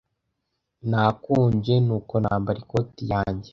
Nakonje, nuko nambara ikoti yanjye.